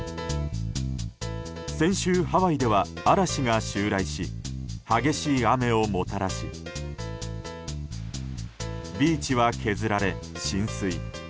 先週、ハワイでは嵐が襲来し激しい雨をもたらしビーチは削られ浸水。